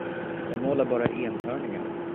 Jag målar bara enhörningar.